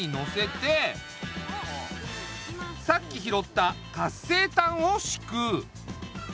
さっき拾った活性炭をしく。